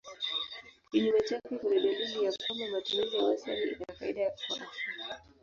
Kinyume chake kuna dalili ya kwamba matumizi ya wastani ina faida kwa afya.